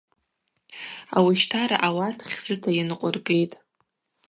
Ауищтара ауат хьзыта йынкъвыргитӏ.